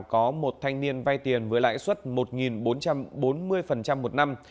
có một thanh niên vay tiền với lãi suất một bốn trăm bốn mươi một năm